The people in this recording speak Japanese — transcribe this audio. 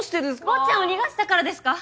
坊っちゃんを逃がしたからですか？